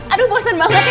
aduh bosan banget ya